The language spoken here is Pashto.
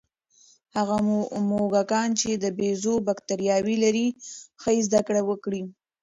هغه موږکان چې د بیزو بکتریاوې لري، ښې زده کړې وکړې.